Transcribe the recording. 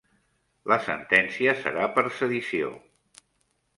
La sentència serà per sedició